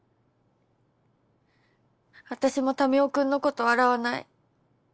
私も民生君のこと笑わない。